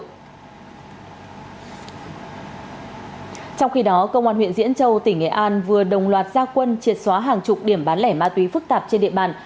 trong khi đó công an huyện diễn châu tỉnh nghệ an vừa đồng loạt gia quân triệt xóa hàng chục điểm bán lẻ ma túy phức tạp trên địa bàn